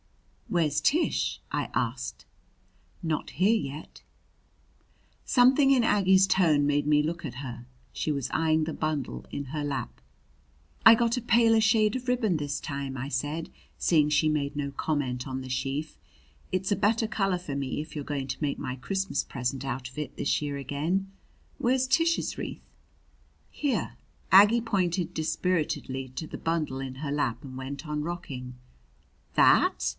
"Where's Tish?" I asked. "Not here yet." Something in Aggie's tone made me look at her. She was eyeing the bundle in her lap. "I got a paler shade of ribbon this time," I said, seeing she made no comment on the sheaf. "It's a better color for me if you're going to make my Christmas present out of it this year again. Where's Tish's wreath?" "Here." Aggie pointed dispiritedly to the bundle in her lap and went on rocking. "That!